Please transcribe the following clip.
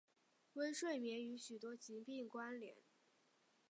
微睡眠和许多疾病关联。